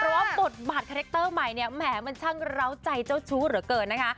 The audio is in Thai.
เพราะว่าบทบาทคาแรคเตอร์ใหม่เนี่ยแหมมันช่างเหล้าใจเจ้าชู้เหลือเกินนะคะ